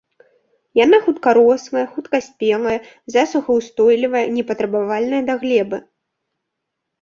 Яна хуткарослая, хуткаспелая, засухаўстойлівая, непатрабавальная да глебы.